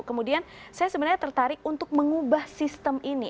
kemudian saya sebenarnya tertarik untuk mengubah sistem ini